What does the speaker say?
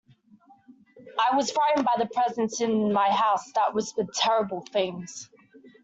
I was frightened by a presence in my house that whispered terrible things.